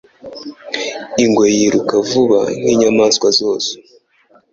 Ingwe yiruka vuba nkinyamaswa zose.